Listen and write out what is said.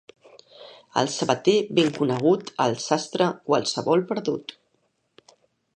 El sabater, ben conegut; el sastre, qualsevol perdut.